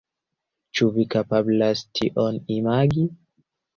Ĉu vi kapablas tion imagi?